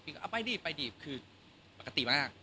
พี่ก็ไปดิไปดิคือปกติมาก